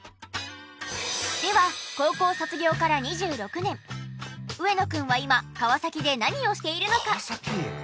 では高校卒業から２６年上野くんは今川崎で何をしているのか？